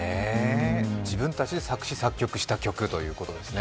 自分たちで作詞作曲した曲ということですね。